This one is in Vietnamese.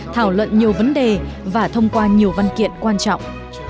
thảo luận nhiều vấn đề và thông qua nhiều văn kiện quan trọng